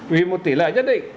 vì một tỷ lệ nhất định